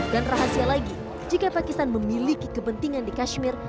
dan rahasia lagi jika pakistan memiliki kepentingan di kashmir